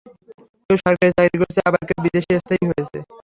কেউ সরকারি চাকরি করছে আবার কেউ বিদেশে স্থায়ী হয়েছে।